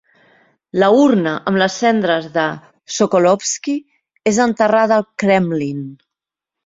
La urna amb les cendres de Sokolovsky és enterrada al Kremlin.